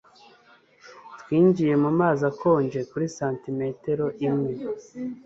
Twinjiye mu mazi akonje kuri santimetero imwe